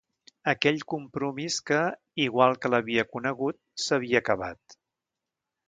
Aquell compromís que, igual que l’havia conegut, s’havia acabat.